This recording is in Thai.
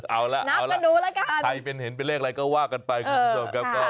เอาล่ะใครเป็นเหรียญเป็นเรื่องอะไรก็ว่ากันไปคุณผู้ชม